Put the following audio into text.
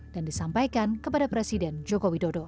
dan disampaikan kepada presiden joko widodo